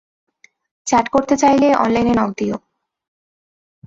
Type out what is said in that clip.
Chat করতে চাইলে অনলাইনে নক দিয়ো।